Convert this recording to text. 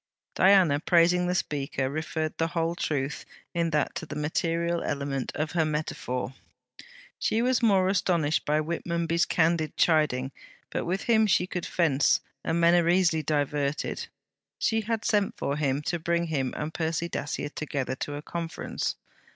Diana, praising the speaker, referred the whole truth in that to the material element of her metaphor. She was more astonished by Whitmonby's candid chiding; but with him she could fence, and men are easily diverted. She had sent for him, to bring him and Percy Dacier together to a conference.